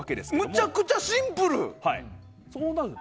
むちゃくちゃシンプル！